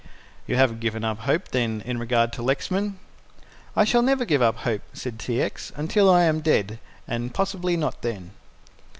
"You haven't given up hope, then, in regard to Lexman?" "I shall never give up hope," said T. X., "until I am dead, and possibly not then."